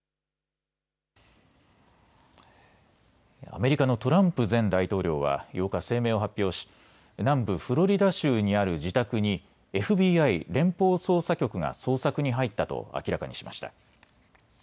アメリカのトランプ前大統領は８日、声明を発表し南部フロリダ州にある自宅にＦＢＩ・連邦捜査局が捜索に入ったと明らかにしました。